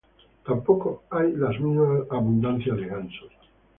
Tampoco hay la misma abundancia de gansos.